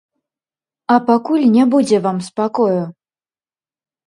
А пакуль не будзе вам спакою!